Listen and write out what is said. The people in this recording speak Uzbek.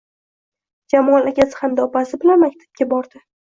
Jamol akasi hamda opasi bilan maktabga bordi